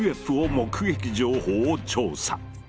目撃情報を調査。